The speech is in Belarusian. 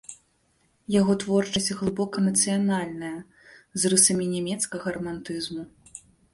Яго творчасць глыбока нацыянальная, з рысамі нямецкага рамантызму.